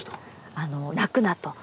あの「泣くな」と。